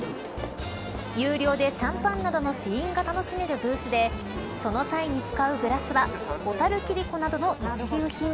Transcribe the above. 有料でシャンパンなどの試飲が楽しめるブースでその際に使うグラスは小樽切子などの一流品。